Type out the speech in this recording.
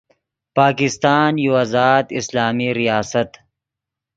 پاکستان یو آزاد اسلامی ریاست